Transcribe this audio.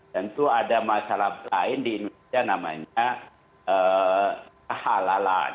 tentu ada masalah lain di indonesia namanya kehalalan